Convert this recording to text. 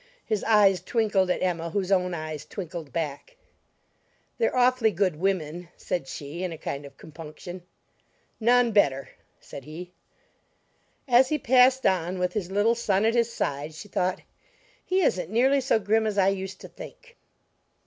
His eyes twinkled at Emma, whose own eyes twinkled back. "They're awfully good women," said she, in a kind of compunction. "None better," said he. As he passed on, with his little son at his side, she thought: "He isn't nearly so grim as I used to think."